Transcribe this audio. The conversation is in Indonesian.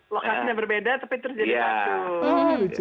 lokasinya berbeda tapi terjadi akal